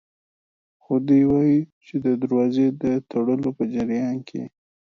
خو دی وايي چې د دروازې د تړلو په جریان کې